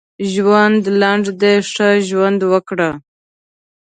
ژوند لنډ دی ښه ژوند وکړه.